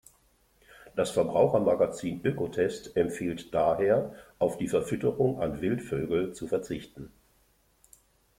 Das Verbrauchermagazin Ökotest empfiehlt daher, auf die Verfütterung an Wildvögel zu verzichten.